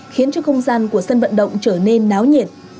khiến cho không gian của sân vận động trở nên náo nhiệt